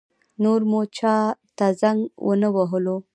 نور مو چا ته زنګ ونه وهلو.